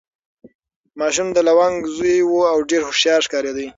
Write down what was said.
ماشوم د لونګ زوی و او ډېر هوښیار ښکارېده.